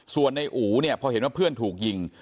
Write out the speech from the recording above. ส่วนในอู๋เนี่ยพอเห็นว่าเพื่อนถูกยิง